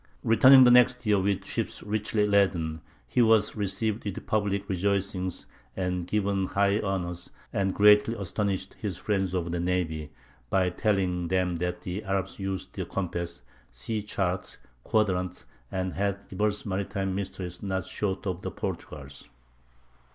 Returning the next year with ships richly laden, he was received with public rejoicings and given high honors; and he greatly astonished his friends of the navy by telling them that the Arabs used the compass, sea charts, quadrants, and "had divers maritime mysteries not short of the Portugals."